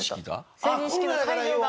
成人式が？